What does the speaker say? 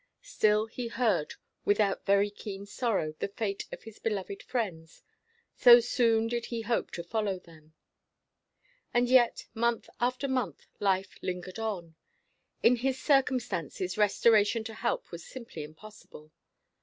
Still he heard without very keen sorrow the fate of his beloved friends, so soon did he hope to follow them. And yet, month after month, life lingered on. In his circumstances restoration to health was simply impossible.